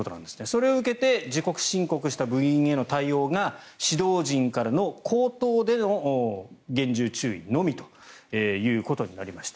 それを受けて自己申告した部員への対応が指導陣からの口頭での厳重注意のみということになりました。